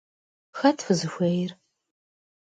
Xet fızıxuêyr?